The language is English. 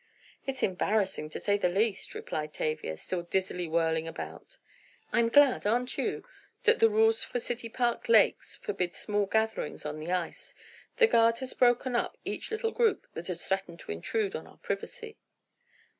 "It's embarrassing to say the least," replied Tavia, still dizzily whirling about. "I'm glad, aren't you, that the rules for city park lakes forbid small gatherings on the ice? The guard has broken up each little group that has threatened to intrude on our privacy."